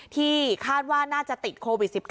ที่คาดว่าน่าจะติดโควิด๑๙